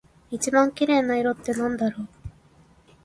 一番綺麗な色ってなんだろう？